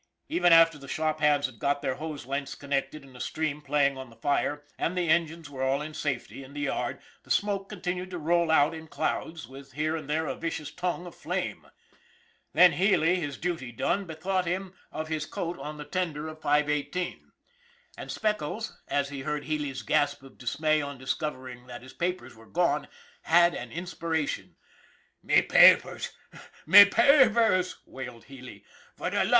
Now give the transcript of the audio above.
Even after the shop hands had got their hose lengths connected and a stream playing on the fire, and the engines were all in safety in the yard, the smoke continued to roll out in clouds, with here and there a vicious tongue of flame. Then Healy, his duty done, bethought him of his SPECKLES 321 coat on the tender of 518. And Speckles, as he heard Healy' s gasp of dismay on discovering that his papers were gone, had an inspiration. " Me papers ! Me papers !" wailed Healy.